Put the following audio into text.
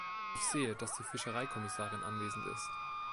Ich sehe, dass die Fischereikommissarin anwesend ist.